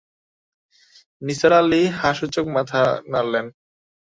নিসার আলি হাঁ-সূচক মাথা নাড়লেন।